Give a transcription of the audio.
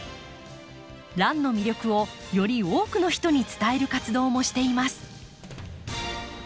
ランの魅力をより多くの人に伝える活動もしています。